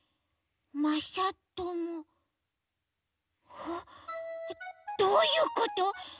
あっどういうこと！？